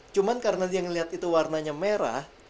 cuman karena dia ngeliat itu warnanya merah